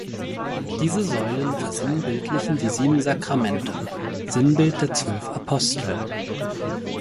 Diese Säulen versinnbildlichen die sieben Sakramente (Sinnbild der Zwölf Apostel).